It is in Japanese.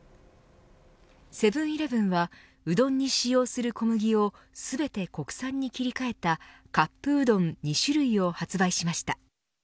セブン‐イレブンはうどんに使用する小麦をすべて国産に切り替えたカップうどん２種類を発売しました。